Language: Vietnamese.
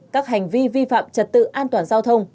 các hành vi vi phạm trật tự an toàn giao thông